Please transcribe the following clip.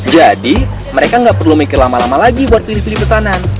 mereka nggak perlu mikir lama lama lagi buat pilih pilih pesanan